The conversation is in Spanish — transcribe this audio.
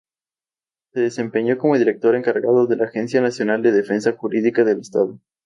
Se desempeñó como director encargado de la Agencia Nacional de Defensa Jurídica del Estado.